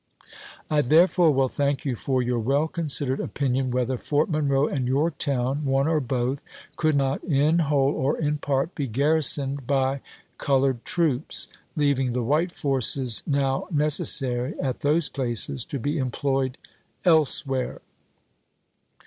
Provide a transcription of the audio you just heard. I therefore will thank you for your well considered opinion Dix, ° whether Fort Monroe and Yorktown, one or both, 1863. M8. could not, in whole or in part, be garrisoned by NEaKO SOLDIEBS 453 colored troops, leaving the white forces now neces chap. xx. sary at those places to be employed elsewhere."